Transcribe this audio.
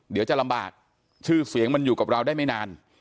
เดี๋ยวจะลำบากชื่อเสียงมันอยู่กับเราได้ไม่นาน